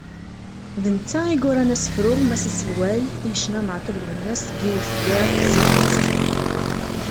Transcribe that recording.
D netta i yuran asefru “Mass aselway” i yecna Meɛtub Lwennas deg yiwet gar tezlatin-is icebḥen.